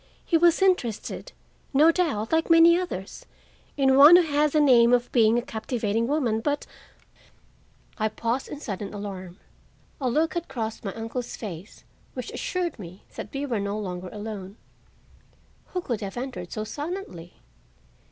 He was interested, no doubt, like many others, in one who had the name of being a captivating woman, but—" I paused in sudden alarm. A look had crossed my uncle's face which assured me that we were no longer alone. Who could have entered so silently?